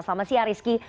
selamat siang rizky